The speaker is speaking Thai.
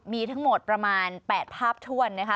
มีทั้งหมดประมาณ๘ภาพถ้วนนะคะ